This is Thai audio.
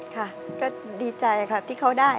ค่ะก็ดีใจค่ะที่เขาได้